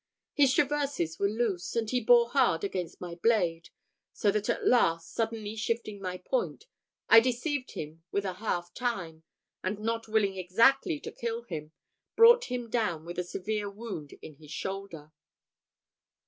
His traverses were loose, and he bore hard against my blade, so that at last, suddenly shifting my point, I deceived him with a half time, and not willing exactly to kill him, brought him down with a severe wound in his shoulder.